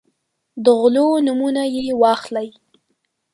د غلو نومونه یې واخلئ.